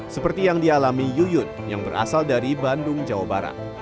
seperti yang dialami yuyun yang berasal dari bandung jawa barat